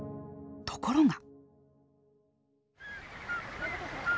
ところが。